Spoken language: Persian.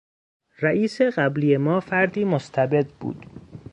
رئیس قبلی ما فردی مستبد بود.